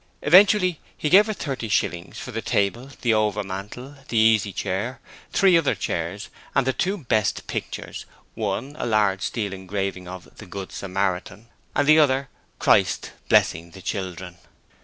Eventually he gave her thirty shillings for the table, the overmantel, the easy chair, three other chairs and the two best pictures one a large steel engraving of 'The Good Samaritan' and the other 'Christ Blessing Little Children'.